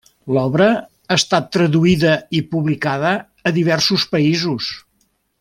L'obra ha estat traduïda i publicada a diversos països.